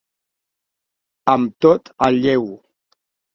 Amb tot el lleu.